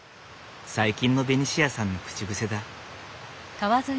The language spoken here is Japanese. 最近のベニシアさんの口癖だ。